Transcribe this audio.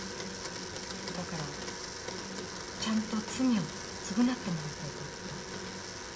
だからちゃんと罪を償ってもらいたいと思ったの。